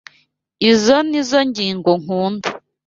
Izoi nizoo ngingo nkunda.